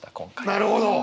なるほど！